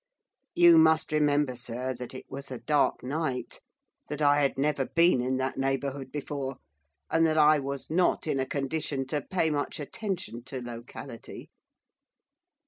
'You must remember, sir, that it was a dark night, that I had never been in that neighbourhood before, and that I was not in a condition to pay much attention to locality.